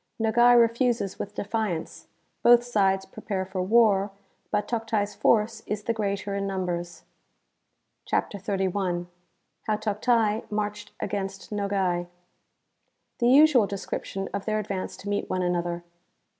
Nogai refuses with defiance. Both sides prepare for war, but Toctai's force is the greater in numbers.) CHAPTER XXXI. How Toctai marched against Nogai. •^(The usual description of their advance to meet one an other.